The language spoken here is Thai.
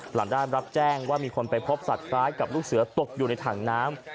หลังได้รับแจ้งว่ามีคนไปพบสัตว์คล้ายกับลูกเสือตกอยู่ในถังน้ำ